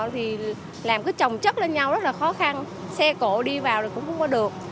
thì làm cái trồng chất lên nhau rất là khó khăn xe cộ đi vào là cũng không có được